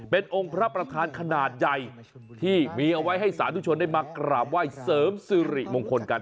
เป็นองค์พระประธานขนาดใหญ่ที่มีเอาไว้ให้สาธุชนได้มากราบไหว้เสริมสิริมงคลกัน